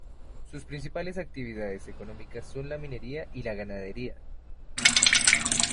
Sus principales actividades económicas son la minería y la ganadería.